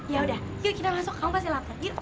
ya udah yuk kita masuk kamu pasti lapar yuk